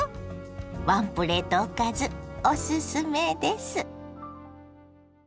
ワンプレートおかずおすすめです。